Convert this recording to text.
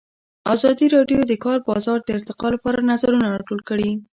ازادي راډیو د د کار بازار د ارتقا لپاره نظرونه راټول کړي.